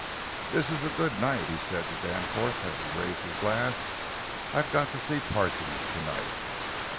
"This is good night," he said to Danforth as he raised his glass. "I've got to see Parsons tonight."